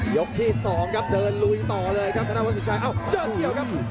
ที่สองครับเดินลุยต่อเลยครับธนาวัสินชัยเอ้าเจอเกี่ยวครับ